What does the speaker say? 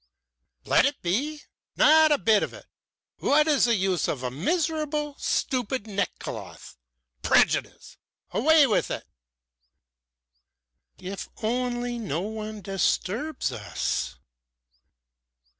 "Let it be? Not a bit of it! What is the use of a miserable, stupid neckcloth? Prejudice! Away with it!" "If only no one disturbs us!"